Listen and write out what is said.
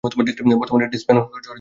বর্তমানে এটি স্পেন ও পর্তুগালের অংশ।